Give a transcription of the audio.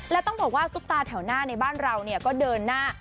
และต้องบอกว่าซุปตาแถวหน้าในบ้านเราก็เดินหน้า